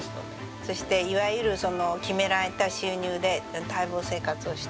そしていわゆる決められた収入で耐乏生活をして。